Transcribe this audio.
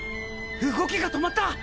動きが止まった！